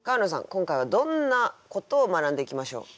今回はどんなことを学んでいきましょう？